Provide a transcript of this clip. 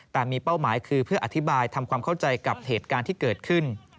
แต่มีเป้าหมายคือเพื่ออธิบายทำความเข้าใจกับเหตุการณ์ที่เกิดขึ้น